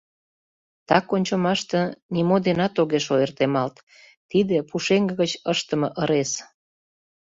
Так ончымаште, нимо денат огеш ойыртемалт: тиде — пушеҥге гыч ыштыме ырес.